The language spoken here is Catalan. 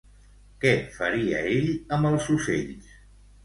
Què faria ell amb els ocells?